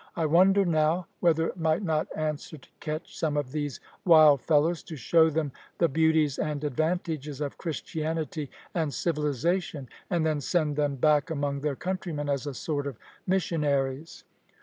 "I wonder now, whether it might not answer to catch some of these wild fellows, to show them the beauties and advantages of Christianity and civilisation, and then send them back among their countrymen as a sort of missionaries.